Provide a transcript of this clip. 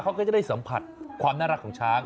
เขาก็จะได้สัมผัสความน่ารักของช้าง